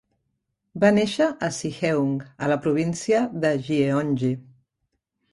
Va néixer a Siheung, a la província de Gyeonggi.